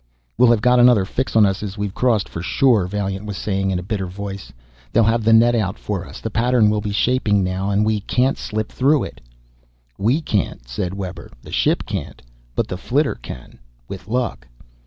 " will have got another fix on us as we crossed, for sure," Vaillant was saying, in a bitter voice. "They'll have the net out for us the pattern will be shaping now and we can't slip through it." "We can't," said Webber. "The ship can't. But the flitter can, with luck."